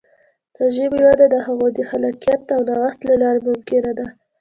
د ژبې وده د هغې د خلاقیت او نوښت له لارې ممکنه ده.